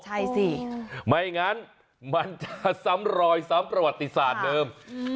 ใช่สิไม่งั้นมันจะซ้ำรอยซ้ำประวัติศาสตร์เดิม